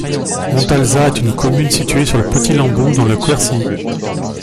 Montalzat est une commune située sur le Petit Lembous dans le Quercy.